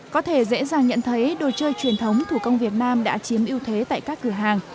có thể dễ dàng nhận thấy đồ chơi truyền thống thủ công việt nam đã chiếm ưu thế tại các cửa hàng